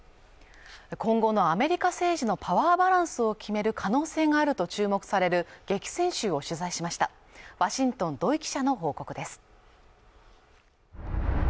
今後のアメリカ政治のパワーバランスを決める可能性があると注目される激戦州を取材しましたワシントン土居記者の報告です